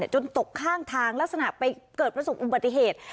ตกข้างทางลักษณะไปเกิดประสบอุบัติเหตุ